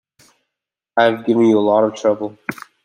I've given you a lot of trouble.